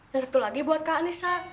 yang satu lagi buat kak anissa